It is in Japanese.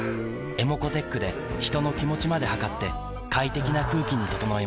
ｅｍｏｃｏーｔｅｃｈで人の気持ちまで測って快適な空気に整えます